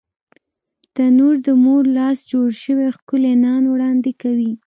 تنور د مور لاس جوړ شوی ښکلی نان وړاندې کوي